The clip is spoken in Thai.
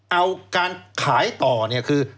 เอาการขายต่อเนี่ยคือ